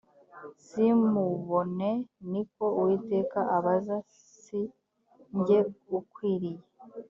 simubone ni ko uwiteka abaza si jye ukwiriye